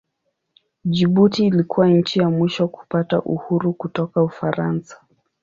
Jibuti ilikuwa nchi ya mwisho kupata uhuru kutoka Ufaransa.